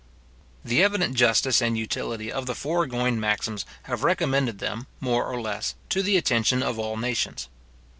The evident justice and utility of the foregoing maxims have recommended them, more or less, to the attention of all nations.